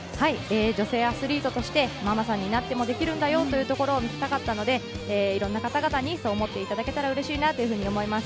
女性アスリートとして、ママさんになってもできるんだよというところを見せたかったので、いろいろな方々にそう思っていただけたら、うれしいと思います。